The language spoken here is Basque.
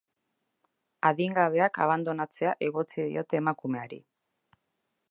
Adingabeak abandonatzea egotzi diote emakumeari.